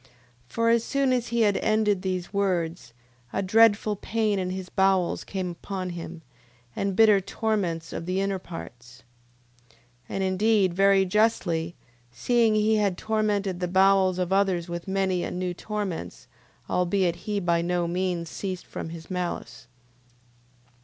For as soon as he had ended these words, a dreadful pain in his bowels came upon him, and bitter torments of the inner parts. 9:6. And indeed very justly, seeing he had tormented the bowels of others with many and new torments, albeit he by no means ceased from his malice.